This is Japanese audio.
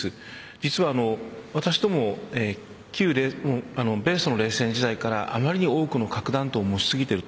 実は私ども米ソの冷戦時代から余りにも多くの核弾頭を持ち過ぎている。